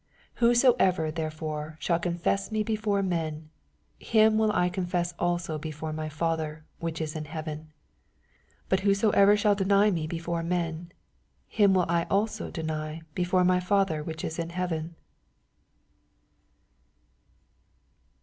82 Whosoever therefore shall con fess me before men, him will I confess also before my Father which is in heaven. 88 But whosoever shall deny me before men. him will I also deny be* fore my Fatner which is in heaven.